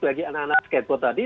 bagi anak anak skateboard tadi